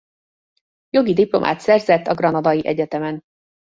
Jogi diplomát szerzett a granadai egyetemen.